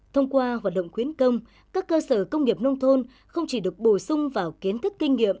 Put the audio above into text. thông qua hoạt động khuyến công các cơ sở công nghiệp nông thôn không chỉ được bổ sung vào kiến thức kinh nghiệm